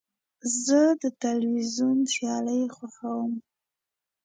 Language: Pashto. زه د تلویزیون سیالۍ خوښوم.